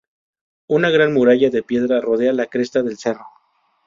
Una gran muralla de piedra rodea la cresta del cerro.